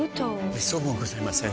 めっそうもございません。